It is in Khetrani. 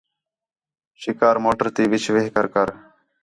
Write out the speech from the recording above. شِکار موٹر تی وِچ وہ کر کر